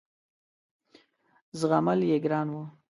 زغمل یې ګران وه.